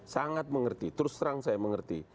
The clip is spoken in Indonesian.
sangat mengerti terus terang saya mengerti